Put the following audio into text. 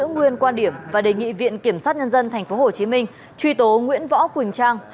nguyên quan điểm và đề nghị viện kiểm sát nhân dân tp hcm truy tố nguyễn võ quỳnh trang